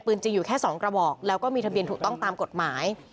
จริงอยู่แค่๒กระบอกแล้วก็มีทะเบียนถูกต้องตามกฎหมาย